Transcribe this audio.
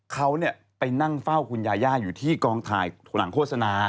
เขาไปนั่งเฝ้าคุณยาย่าอยู่ที่กองถ่ายหลังโฆษณา